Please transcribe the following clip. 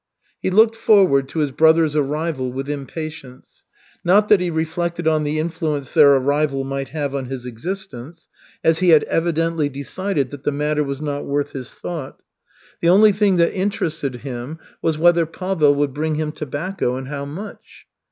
He looked forward to his brothers' arrival with impatience. Not that he reflected on the influence their arrival might have on his existence, as he had evidently decided that the matter was not worth his thought. The only thing that interested him was whether Pavel would bring him tobacco and how much.